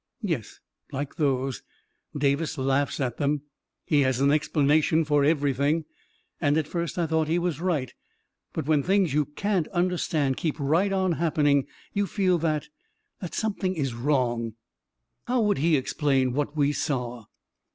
"" Yes, like those. Davi&iaughs at them — he has an explanation for everything; and at first I thought he was right. But when things you can't under stand keep right on happening, you feel that — that something is wrong." 11 How would he explain what — we saw